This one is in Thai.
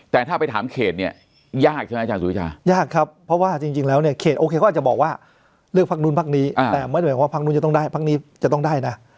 แต่ถ้าไปถามเขตยากใช่ไหมอสุริยา